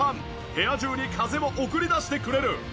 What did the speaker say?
部屋中に風を送り出してくれる。